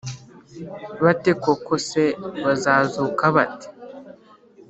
bate Koko se bazazuka ba te